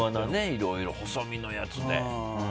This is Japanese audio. いろいろ細身のやつで。